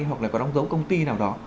hoặc là có đóng dấu công ty nào đó